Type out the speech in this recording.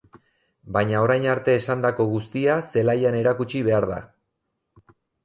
Baina orain arte esandako guztia zelaian erakutsi behar da.